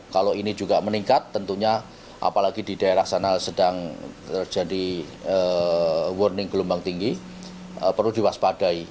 kalau ini juga meningkat tentunya apalagi di daerah sana sedang terjadi warning gelombang tinggi perlu diwaspadai